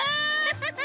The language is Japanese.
ハハハ！